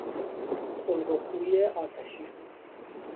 خلق و خوی آتشی